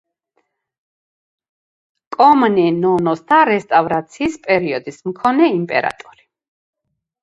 კომნენოსთა რესტავრაციის პერიოდის მეორე იმპერატორი.